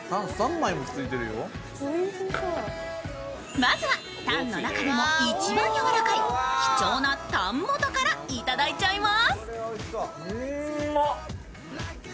まずは、タンの中でも一番やわらかい貴重なタン元からいただいちゃいます。